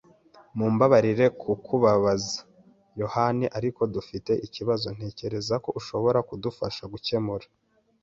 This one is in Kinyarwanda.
Mumbabarire kukubabaza, yohani, ariko dufite ikibazo ntekereza ko ushobora kudufasha gukemura.